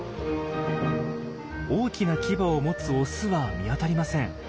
大きな牙を持つオスは見当たりません。